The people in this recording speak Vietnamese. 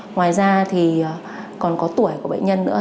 ngoài ra còn có tuổi của bệnh nhân nữa